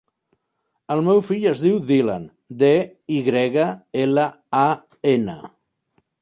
El meu fill es diu Dylan: de, i grega, ela, a, ena.